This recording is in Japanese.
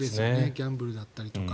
ギャンブルだったりだとか。